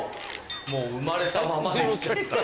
もう生まれたままの。